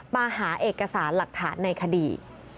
มาหาเอกสารหลักฐานในคดี